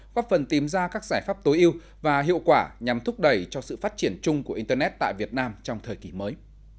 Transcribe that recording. góp phần tìm ra các giải pháp tối ưu và hiệu quả nhằm thúc đẩy cho sự phát triển chung của internet tại việt nam trong thời kỳ mới